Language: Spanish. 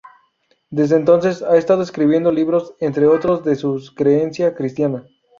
Desde entonces, ha estado escribiendo libros, entre otros, de su creencia cristiana.